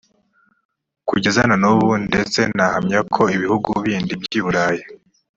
kugeza na n ubu ndetse nahamya ko ibihugu bindi byi burayi